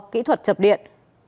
kỹ thuật chập điện